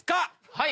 はい。